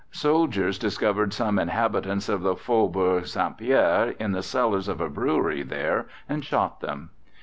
Soldiers discovered some inhabitants of the Faubourg St. Pierre in the cellars of a brewery there and shot them.